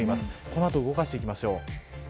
この後、動かしていきましょう。